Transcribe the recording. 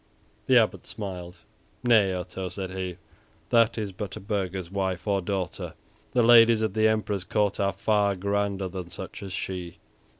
The Abbot smiled. "Nay, Otto," said he, "that is but a burgher's wife or daughter; the ladies at the Emperor's court are far grander than such as she."